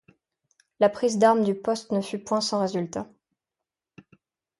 La prise d’armes du poste ne fut point sans résultat.